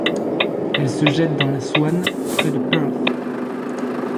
Elle se jette dans la Swan près de Perth.